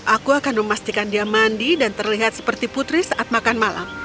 aku akan memastikan dia mandi dan terlihat seperti putri saat makan malam